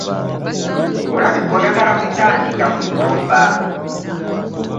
Olabika oyagala kutandika kuyomba.